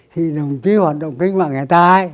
thì đồng chí hoạt động cách mạng người ta ấy